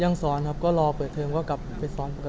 ยังสอนครับก็รอเปิดเทอมก็กลับไปสอนปกติครับ